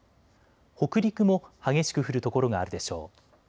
北陸も激しく降る所があるでしょう。